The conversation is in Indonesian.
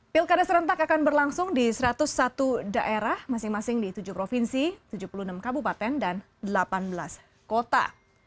pilkada serentak akan berlangsung di satu ratus satu daerah masing masing di tujuh provinsi tujuh puluh enam kabupaten dan delapan belas kota